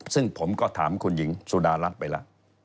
ซึ่งผมก็ถามคุณหญิงสุดารัฐไปแล้ว